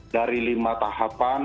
dari lima tahapan